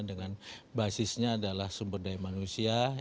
dengan basisnya adalah sumber daya manusia